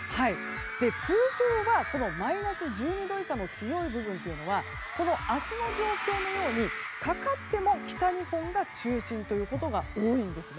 通常は、マイナス１２度以下の強い部分というのは明日の状況のように、かかっても北日本が中心ということが多いんです。